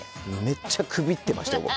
めっちゃくびってましたよ